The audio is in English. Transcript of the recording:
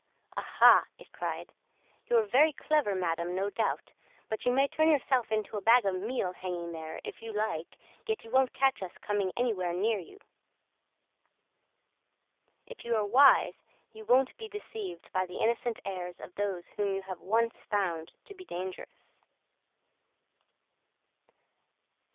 "Aha!" it cried, "you're very clever, madam, no doubt: but you may turn yourself into a bag of meal hanging there, if you like, yet you won't catch us coming anywhere near you." If you are wise you won't be deceived by the innocent airs of those whom you have once found to be dangerous.